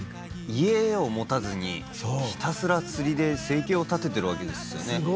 家を持たずにひたすら釣りで生計を立ててるわけですよね。